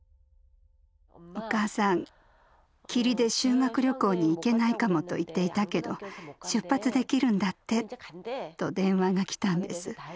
「お母さん霧で修学旅行に行けないかもと言っていたけど出発できるんだって」と電話が来たんです。